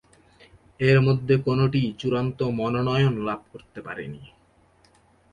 এর মধ্যে কোনটিই চূড়ান্ত মনোনয়ন লাভ করতে পারেনি।